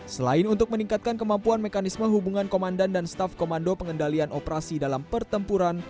selain untuk meningkatkan kemampuan mekanisme hubungan komandan dan staf komando pengendalian operasi dalam pertempuran